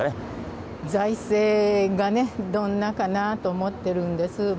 財政が、どんなかなと思ってるんです。